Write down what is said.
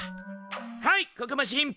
はいここも神秘！